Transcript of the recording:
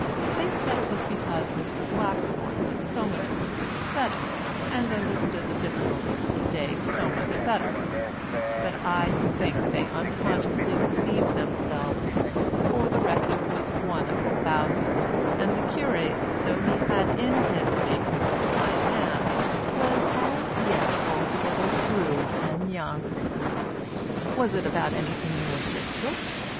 They said it was because Mr. Blackthorne was so much more sympathetic, and understood the difficulties of the day so much better; but I think they unconsciously deceived themselves, for the rector was one of a thousand, and the curate, though he had in him the makings of a fine man, was as yet altogether crude and young. "Was it about anything in your district?"